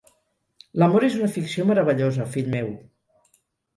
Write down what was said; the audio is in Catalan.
L'amor és una ficció meravellosa, fill meu.